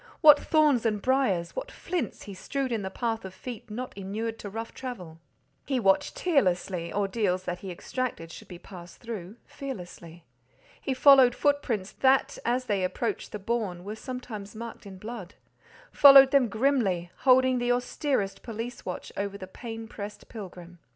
What thorns and briers, what flints, he strewed in the path of feet not inured to rough travel! He watched tearlessly—ordeals that he exacted should be passed through—fearlessly. He followed footprints that, as they approached the bourne, were sometimes marked in blood—followed them grimly, holding the austerest police watch over the pain pressed pilgrim.